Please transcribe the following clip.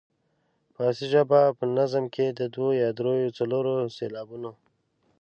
فارسي ژبې په نظم کې د دوو یا دریو او څلورو سېلابونو.